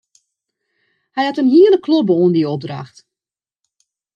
Hy hat in hiele klobbe oan dy opdracht.